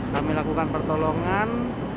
kami lakukan pertolongan